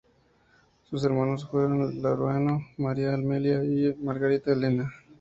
Sus hermanos fueron Laureano, María Amelia y Margarita Elena.